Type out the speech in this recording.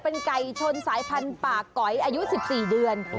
เป็นไก่ชนสายพันธุ์ป่าก๋อยอายุ๑๔เดือน